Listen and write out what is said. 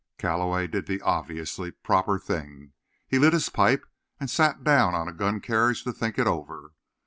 Calloway did the obviously proper thing. He lit his pipe and sat down on a gun carriage to think it over.